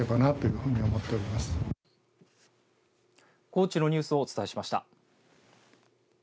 高知のニュースをお伝えしました。